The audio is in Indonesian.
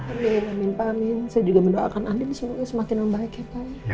amin amin amin saya juga mendoakan al ini semakin baik ya pak